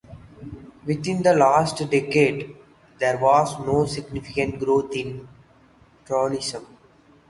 Within the last decade there was no significant growth in tourism.